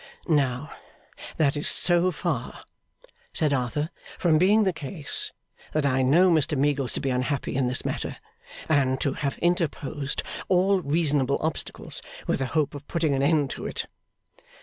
'Now that is so far,' said Arthur, 'from being the case, that I know Mr Meagles to be unhappy in this matter; and to have interposed all reasonable obstacles with the hope of putting an end to it.